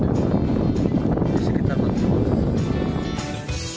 di sini terbatas banyak